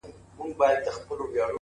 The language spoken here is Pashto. ساده توب د ذهن دروندوالی کموي،